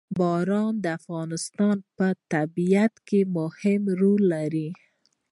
باران د افغانستان په طبیعت کې مهم رول لري.